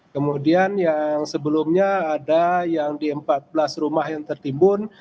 kemudian yang sebelumnya ada yang di empat belas rumah yang tertimbun